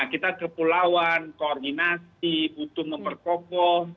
kita kepulauan koordinasi butuh memperkokoh